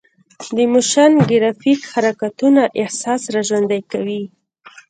د موشن ګرافیک حرکتونه احساس راژوندي کوي.